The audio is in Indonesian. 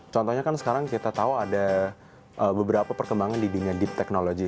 contohnya kan sekarang kita tahu ada beberapa perkembangan di dunia deep technology